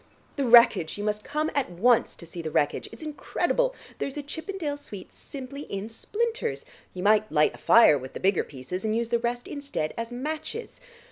The wreckage: you must come at once to see the wreckage. It's incredible; there's a Chippendale suite simply in splinters. You might light a fire with the bigger pieces, and use the rest instead of matches.